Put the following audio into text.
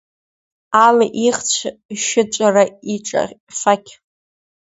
Али ихцә шьыҵәра, иҿафақь.